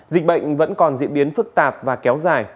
dịch bệnh vẫn còn diễn biến phức tạp và kéo dài